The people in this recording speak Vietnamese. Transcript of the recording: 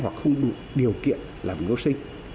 hoặc không đủ điều kiện làm nghiên cứu sinh